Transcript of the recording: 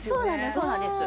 そうなんです。